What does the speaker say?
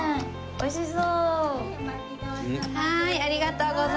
おいしそう！